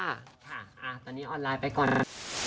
ค่ะตอนนี้ออนไลน์ไปก่อน